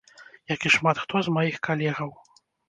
Як і шмат хто з маіх калегаў.